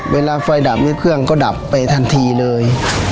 เวลาไฟดับนี้เครื่องก็ดับไปทันทีเลย